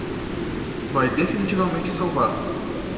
Vai definitivamente salvar